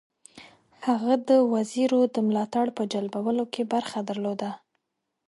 هغه د وزیرو د ملاتړ په جلبولو کې برخه درلوده.